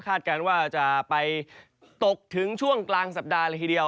การว่าจะไปตกถึงช่วงกลางสัปดาห์เลยทีเดียว